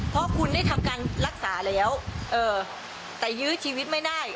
เพราะคุณได้ทำการรักษาแล้วแต่ยื้อชีวิตไม่ได้